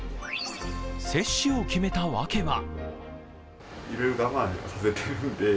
接種を決めた訳は？